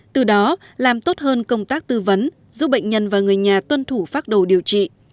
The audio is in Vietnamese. từ đó làm tốt hơn công tác tư vấn giúp bệnh nhân và người nhà tuân thủ phác đồ điều trị